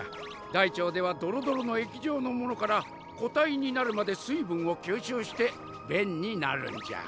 大腸ではドロドロの液状のものから個体になるまで水分を吸収して便になるんじゃ。